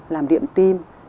làm điện tim